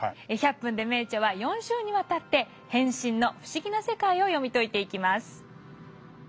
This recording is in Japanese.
「１００分ｄｅ名著」は４週にわたって「変身」の不思議な世界を読み解いていきます。